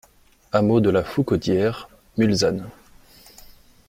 Hameau de la Foucaudière, Mulsanne